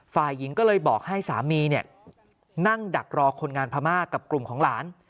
ฝ่ายหญิงก็เลยบอกให้สามีนั่งดักรอคนงานพม่ากับกลุ่มของหลาน